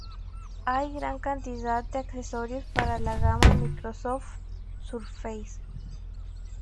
Hay gran cantidad de accesorios para la gama Microsoft Surface.